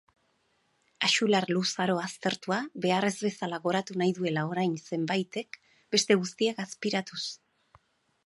Axular luzaro baztertua, behar ez bezala goratu nahi duela orain zenbaitek, beste guztiak azpiratuz.